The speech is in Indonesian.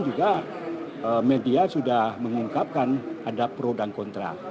juga media sudah mengungkapkan ada pro dan kontra